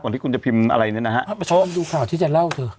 ก่อนที่คุณจะพิมพ์อะไรเนี้ยนะฮะเขาดูข่าวที่จะเล่าเถอะ